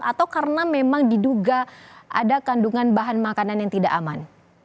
atau karena memang diduga ada kandungan bahan makanan yang tidak aman